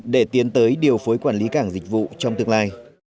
để tiến tới điều phối quản lý cảng dịch vụ trong tương lai